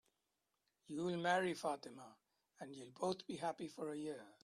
You'll marry Fatima, and you'll both be happy for a year.